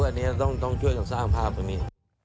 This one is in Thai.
อันนี้ต้องช่วยกันสร้างภาพตรงนี้